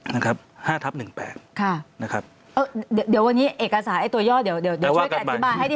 นะครับ๕ทับ๑แปลกนะครับนะครับ